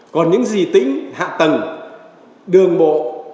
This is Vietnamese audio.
còn những gì tính hạ tầng đường bộ